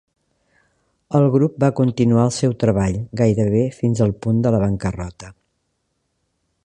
El grup va continuar el seu treball, gairebé fins al punt de la bancarrota.